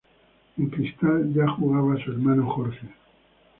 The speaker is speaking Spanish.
En Cristal ya jugaba su hermano Jorge.